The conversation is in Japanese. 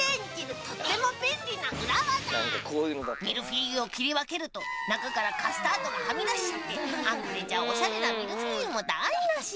ミルフィーユを切り分けると中からカスタードがはみ出しちゃってあれじゃおしゃれなミルフィーユも台無し。